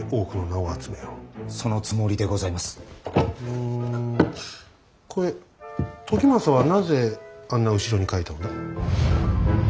うんこれ時政はなぜあんな後ろに書いたのだ。